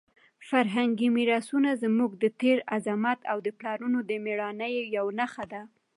فرهنګي میراثونه زموږ د تېر عظمت او د پلرونو د مېړانې یوه نښه ده.